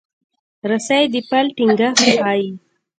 رسۍ د پل ټینګښت ښيي.